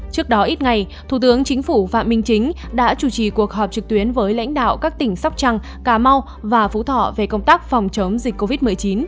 trước đó ít ngày thủ tướng chính phủ phạm minh chính đã chủ trì cuộc họp trực tuyến với lãnh đạo các tỉnh sóc trăng cà mau và phú thọ về công tác phòng chống dịch covid một mươi chín